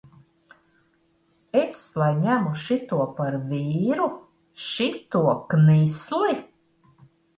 Es lai ņemu šito par vīru, šito knisli!